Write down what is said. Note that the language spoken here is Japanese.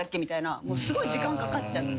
すごい時間かかっちゃって。